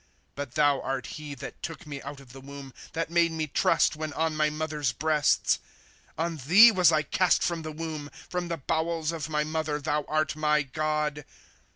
" But tliou art ho that took me out of the womb, That made me trust, when on my mother's breasts. '" On thee was I east from the womb ; From the bowels of my mother thou art my God.